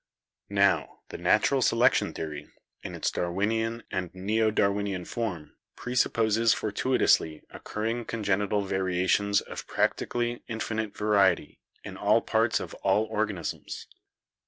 "Now, the natural selection theory, in its Darwinian and neo Darwinian form, presupposes fortuitously occur ring congenital variations of practically infinite variety in all parts of all organisms.